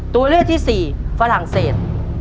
ตัวเลือกที่สี่ฝรั่งเศส